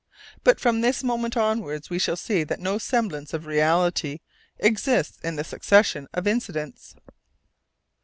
But from this moment onwards we shall see that no semblance of reality exists in the succession of incidents.